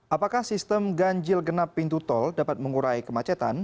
apakah sistem ganjil genap pintu tol dapat mengurai kemacetan